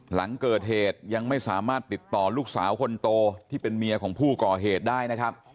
หลังเกิดเหตุยังไม่สามารถติดต่อลูกสาวคนโตที่เป็นเมียของผู้ก่อเหตุได้นะครับ